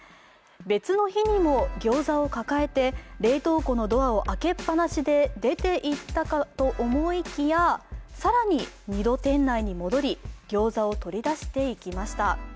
別の日にもギョーザを抱えて冷凍庫のドアを開けっ放しで出ていったかと思いきや、更に２度店内に戻りギョーザを取り出していきました。